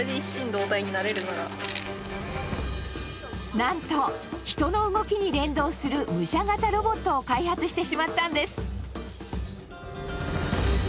なんと人の動きに連動する武者型ロボットを開発してしまったんです。